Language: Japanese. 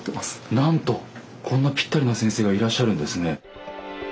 なんとこんなぴったりな先生がいらっしゃるんですね。